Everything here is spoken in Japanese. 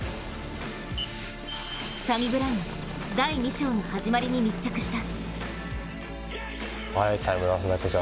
サニブラウン第２章の始まりに密着した。